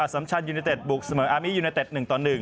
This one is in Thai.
สัมชันยูเนเต็ดบุกเสมออามียูเนเต็ด๑ต่อ๑